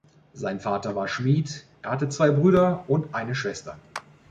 Sein Vater war Schmied, er hatte zwei Brüder und eine Schwester.